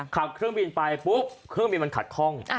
ขับเครื่องบินไปปุ๊บเครื่องบินมันขัดข้อง